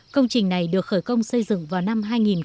công trình này được khởi công xây dựng vào năm hai nghìn bảy